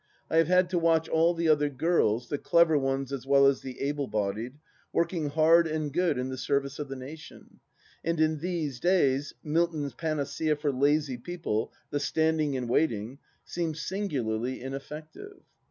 I have had to watch all the other girls, the clever ones as well as the able bodied, working hard and good in the service of the nation ; and in these days Milton's panacea for lazy people, the " standing and waiting," seems singularly ineffective.